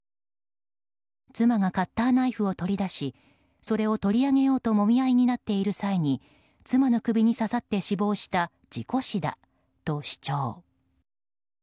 妻がカッターナイフを取り出しそれを取り上げようともみ合いになっている際に妻の首に刺さって死亡した事故死だと主張。